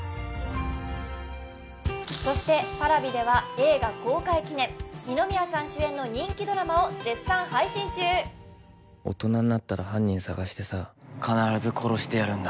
そしてＰａｒａｖｉでは映画公開記念二宮さん主演の人気ドラマを絶賛配信中大人になったら犯人捜してさ必ず殺してやるんだ